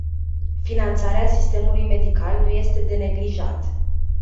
Finanțarea sistemului medical nu este de neglijat.